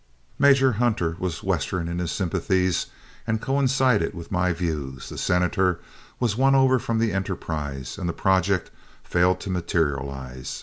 Major Hunter was Western in his sympathies and coincided with my views, the Senator was won over from the enterprise, and the project failed to materialize.